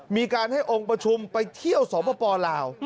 มีการให้องค์ประชุมไปเที่ยวสปลาว